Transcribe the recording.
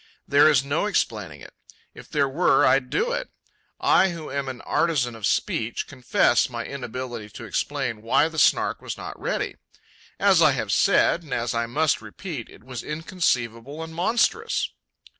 There is no explaining it; if there were, I'd do it. I, who am an artisan of speech, confess my inability to explain why the Snark was not ready. As I have said, and as I must repeat, it was inconceivable and monstrous.